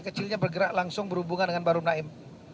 kecilnya bergerak langsung berhubungan dengan bahru naim